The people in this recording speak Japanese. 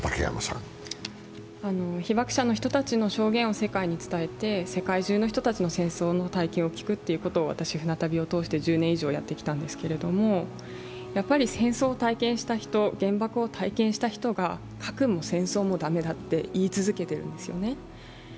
被爆者の人たちの証言を世界に伝えて、世界中の人たちの戦争の体験を聞くということを私、船旅を通して１０年以上やってきたんですけど戦争を体験した人、原爆を体験した人が核も戦争も駄目だって言い続けてるんですよね。